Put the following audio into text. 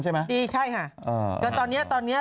ใช่ปะพี่เหมียวมันเป็นอย่างนั้นใช่ไหม